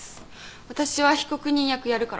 私は被告人役やるから。